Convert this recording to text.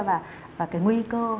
và cái nguy cơ ngoại tình